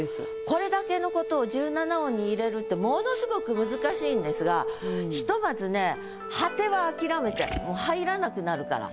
これだけのことを１７音に入れるってものすごく難しいんですがひとまずね「果」は諦めてもう入らなくなるから。